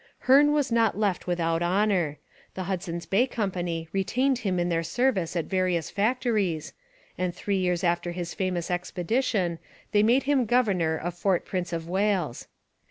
Hearne was not left without honour. The Hudson's Bay Company retained him in their service at various factories, and three years after his famous expedition they made him governor of Fort Prince of Wales.